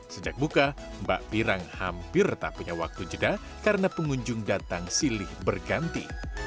sejak buka mbak pirang hampir tak punya waktu jeda karena pengunjung datang silih berganti